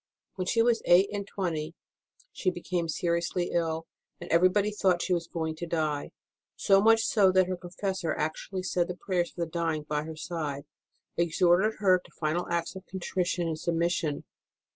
When she was eight and twenty she became seriously ill, and everybody thought she was going to die ; so much so that her confessor actu ally said the prayers for the dying by her side, and exhorted her to final acts of contrition and submission.